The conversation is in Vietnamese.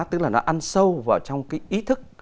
tức là nó ăn sâu vào trong cái ý thức